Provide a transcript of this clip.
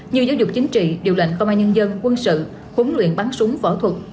như giáo dục chính trị điều lệnh công an nhân dân quân sự huấn luyện bắn súng võ thuật